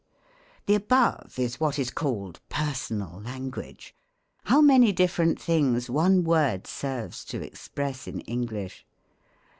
The above is what is called personal language. How many different things one word serves to express ; in English